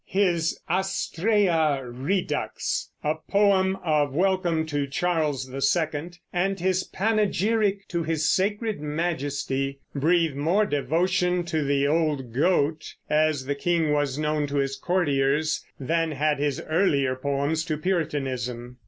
His "Astraea Redux," a poem of welcome to Charles II, and his "Panegyric to his Sacred Majesty," breathe more devotion to "the old goat," as the king was known to his courtiers, than had his earlier poems to Puritanism.